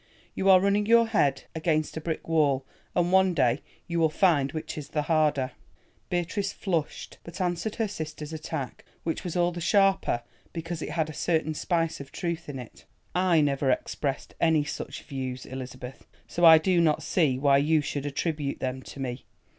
You are running your head against a brick wall, and one day you will find which is the harder." Beatrice flushed, but answered her sister's attack, which was all the sharper because it had a certain spice of truth in it. "I never expressed any such views, Elizabeth, so I do not see why you should attribute them to me.